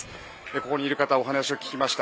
ここにいる方にお話を聞きました。